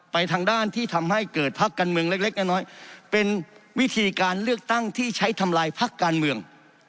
ทางด้านที่ทำให้เกิดพักการเมืองเล็กน้อยเป็นวิธีการเลือกตั้งที่ใช้ทำลายพักการเมือง